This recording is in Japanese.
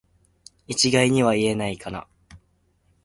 一概には言えないかな